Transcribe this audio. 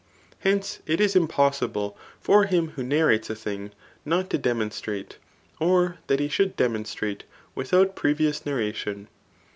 Hence, it is impossible for him who narrates a thing not to de^ monstrate, or that he should demonstrate without pre* vious narration.